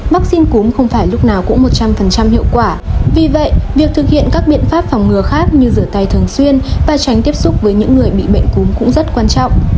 vaccine cúm không phải lúc nào cũng một trăm linh hiệu quả vì vậy việc thực hiện các biện pháp phòng ngừa khác như rửa tay thường xuyên và tránh tiếp xúc với những người bị bệnh cúm cũng rất quan trọng